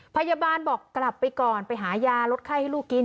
พยาบาลบอกกลับไปก่อนไปหายาลดไข้ให้ลูกกิน